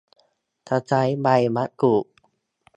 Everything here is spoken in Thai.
ตะไคร้ใบมะกรูด